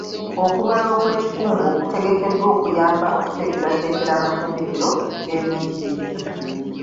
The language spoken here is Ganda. Okubala okw'ekikungo kutegekeddwa okuyamba okuteekerateekera amatendekero g'ebyenjigiriza.